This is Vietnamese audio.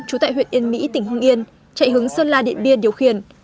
trú tại huyện yên mỹ tỉnh hưng yên chạy hướng sơn la điện biên điều khiển